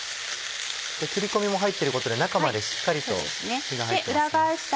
切り込みも入っていることで中までしっかりと火が入って。